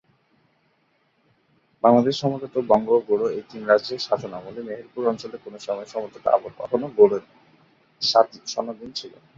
বাংলাদেশে সমতট, বঙ্গ ও গৌড় এই তিন রাজ্যের শাসনামলে মেহেরপুর অঞ্চল কোন সময়ে সমতট আবার কখনো গৌড়ের শাসনাধীন ছিল।